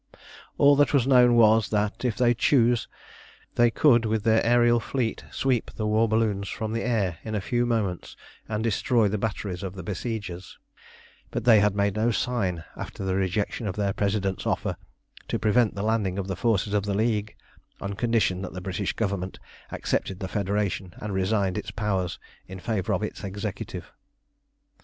All that was known was that, if they choose, they could with their aërial fleet sweep the war balloons from the air in a few moments and destroy the batteries of the besiegers; but they had made no sign after the rejection of their President's offer to prevent the landing of the forces of the League on condition that the British Government accepted the Federation, and resigned its powers in favour of its Executive.